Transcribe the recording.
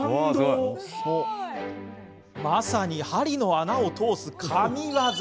まさに針の穴を通す神業。